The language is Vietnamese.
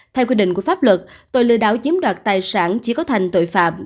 theo quy định của pháp luật tội lừa đảo chiếm đoạt tài sản chỉ có thành tội phạm